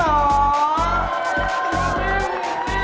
pastinya dong musiknya enak miseriknya oke